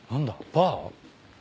バー？